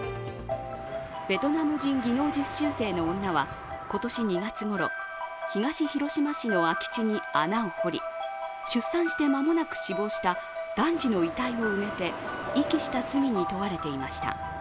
ベトナム人技能実習生の女は今年２月ごろ、東広島市の空き地に穴を掘り出産して間もなく死亡した男児の遺体を埋めて遺棄した罪に問われていました。